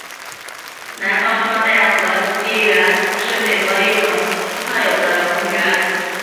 南方双带河溪螈是美国特有的一种蝾螈。